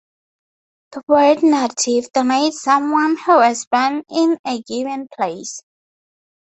The word native denotes someone who was born in a given place.